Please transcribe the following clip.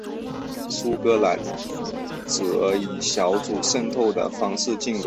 苏格兰则以小组渗透的方式进攻。